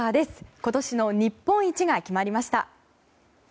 今年の日本一が決まりました。